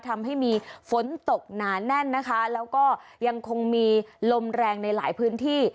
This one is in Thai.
ทำให้มีฝนตกหนาแน่นนะคะแล้วก็ยังคงมีลมแรงในหลายพื้นที่